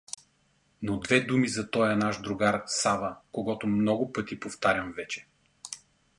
Но две думи за тоя наш другар Сава, когото много пъти повтарям вече.